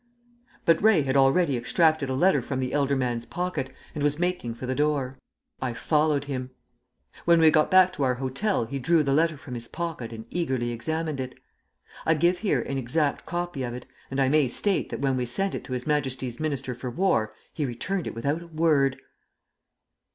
But Ray had already extracted a letter from the elder man's pocket, and was making for the door! I followed him. When we got back to our hotel he drew the letter from his pocket and eagerly examined it. I give here an exact copy of it, and I may state that when we sent it to His Majesty's Minister for War he returned it without a word!